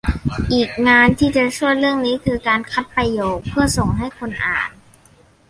อีกงานที่จะช่วยเรื่องนี้ คือการคัดประโยคเพื่อส่งให้คนอ่าน